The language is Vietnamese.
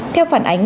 theo phản ánh